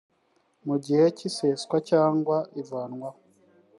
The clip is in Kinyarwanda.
mu gihe cy iseswa cyangwa cy ivanwaho